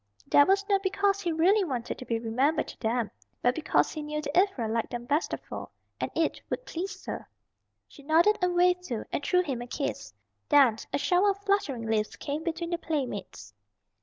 That was not because he really wanted to be remembered to them but because he knew that Ivra liked them best of all, and it would please her. She nodded and waved too, and threw him a kiss. Then a shower of fluttering leaves came between the playmates.